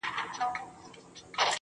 خدای ته دعا زوال د موسيقۍ نه غواړم_